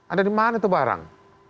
ada dimana itu barang